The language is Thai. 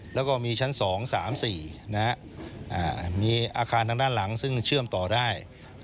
แล้วก็มีชั้น๒๓๔มีอาคารทางด้านหลังซึ่งเชื่อมต่อได้